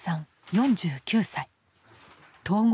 ４９歳統合